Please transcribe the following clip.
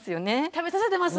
食べさせてます。